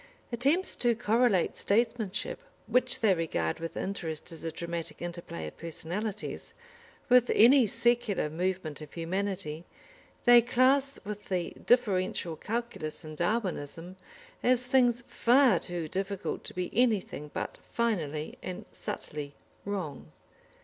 Attempts to correlate statesmanship, which they regard with interest as a dramatic interplay of personalities, with any secular movement of humanity, they class with the differential calculus and Darwinism, as things far too difficult to be anything but finally and subtly wrong.